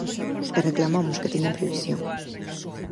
E reclamamos que teñan previsión.